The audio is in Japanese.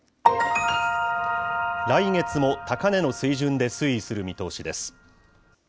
来月も高値の水準で推移する見通しです。